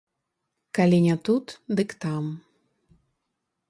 Калі не тут, дык там.